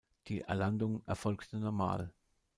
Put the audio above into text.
Die Landung erfolgte normal.